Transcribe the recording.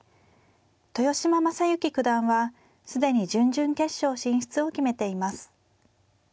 豊島将之九段は既に準々決勝進出を決めています。